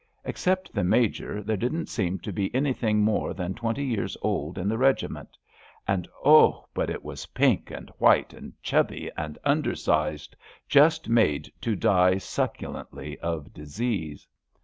Except the Major, there didn't seem to be anything more than twenty years old in the regiment ; and oh ! but it was pink and white and chubby and undersized — ^just made to die succulently of disease.